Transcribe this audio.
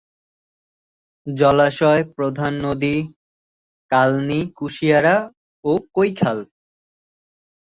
জলাশয় প্রধান নদী: কালনী, কুশিয়ারা ও কৈখাল।